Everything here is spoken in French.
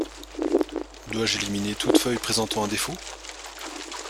Dois-je éliminer toute feuille présentant un défaut?